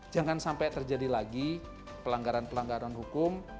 jangan sampai terjadi lagi pelanggaran pelanggaran hukum